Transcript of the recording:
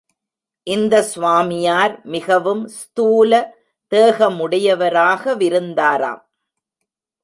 இந்த ஸ்வாமியார் மிகவும் ஸ்தூல தேகமுடையவராகவிருந்தாராம்.